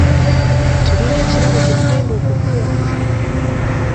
Tulina ekirabo kye tugenda okukuwa.